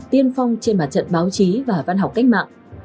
tiên phong trên mặt trận báo chí và văn học cách mạng